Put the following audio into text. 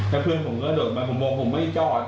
แล้วเพื่อนผมก็โดดมาผมบอกผมไม่จอด